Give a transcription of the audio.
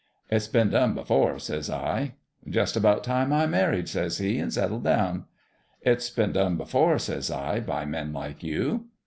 "' It's been done before,' says I. "' Jus' about time I married,' says he, ' an' set tled down.' "' It's been done before,' says I, ' by men like you.'